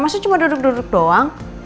maksudnya cuma duduk duduk doang